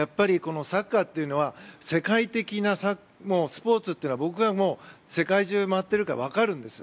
サッカーというのは世界的なスポーツだと僕は世界中回っているから分かるんです。